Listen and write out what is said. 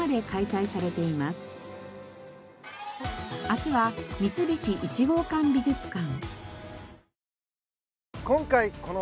明日は三菱一号館美術館。